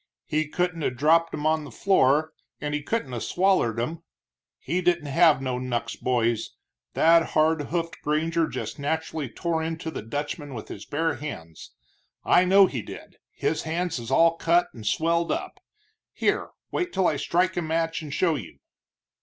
He couldn't 'a' dropped 'em on the floor, and he couldn't 'a' swallered 'em. He didn't have no knucks, boys that hard hoofed granger just naturally tore into the Dutchman with his bare hands. I know he did, his hands is all cut and swelled up here, wait till I strike a match and show you."